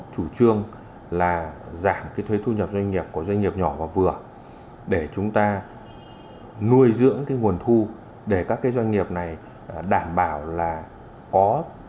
chủ trương là giảm cái thuế thu nhập doanh nghiệp của doanh nghiệp nhỏ và vừa để chúng ta nuôi dưỡng cái nguồn thu để các cái doanh nghiệp này đảm bảo là có